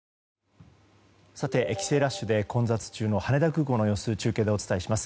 帰省ラッシュで混雑中の羽田空港の様子を中継でお伝えします。